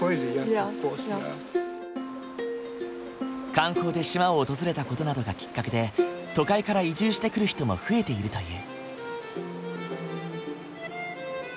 観光で島を訪れた事などがきっかけで都会から移住してくる人も増えているという。